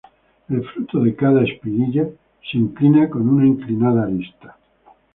El fruto de cada espiguilla se inclina con una inclinada arista.